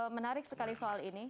menarik sekali soal ini